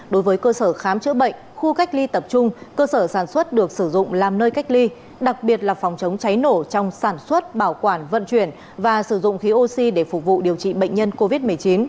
đối với cơ sở khám chữa bệnh khu cách ly tập trung cơ sở sản xuất được sử dụng làm nơi cách ly đặc biệt là phòng chống cháy nổ trong sản xuất bảo quản vận chuyển và sử dụng khí oxy để phục vụ điều trị bệnh nhân covid một mươi chín